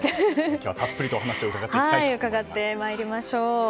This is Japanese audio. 今日はたっぷりとお話を伺っていきたいと思います。